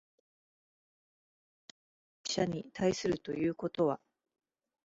而して、かく超越的一者に対するということは、